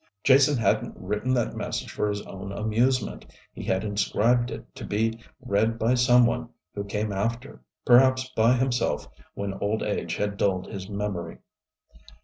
Jason hadn't written that message for his own amusement. He had inscribed it to be read by some one who came after perhaps by himself when old age had dulled his memory.